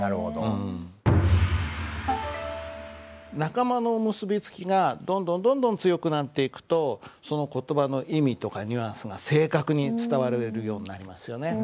仲間の結び付きがどんどんどんどん強くなっていくとその言葉の意味とかニュアンスが正確に伝わるようになりますよね。